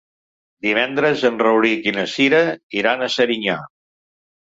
Divendres en Rauric i na Cira iran a Serinyà.